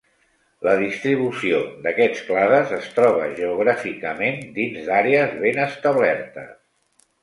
La distribució d'aquests clades es troba geogràficament dins d'àrees ben establertes.